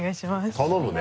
頼むね。